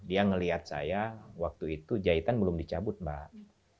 dia melihat saya waktu itu jahitan belum dicabut mbak